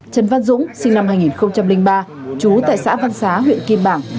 trần văn dũng sinh năm hai nghìn ba chú tại xã văn xá huyện kim bảng